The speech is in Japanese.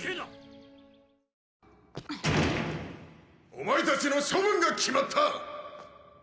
オマエたちの処分が決まった。